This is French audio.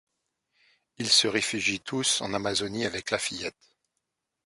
Ils se réfugient tous en Amazonie avec la fillette.